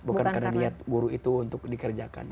bukan karena niat guru itu untuk dikerjakan